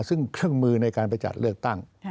ซึ่งเครื่องมือในการไปจัดเลือกตั้ง